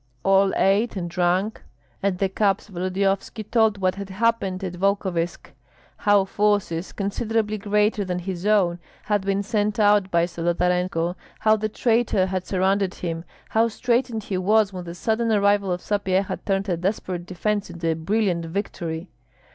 All ate and drank. At the cups Volodyovski told what had happened at Volkovysk, how forces, considerably greater than his own, had been sent out by Zolotarenko, how the traitor had surrounded him, how straitened he was when the sudden arrival of Sapyeha turned a desperate defence into a brilliant victory.